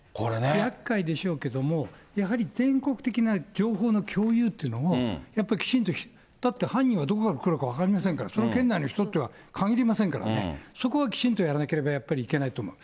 やっかいでしょうけども、やはり全国的な情報の共有っていうのを、やっぱりきちんと、だって犯人はどこから来るか分かりませんから、その県内の人とは限りませんからね、そこはきちんとやらなければやっぱりいけないと思う。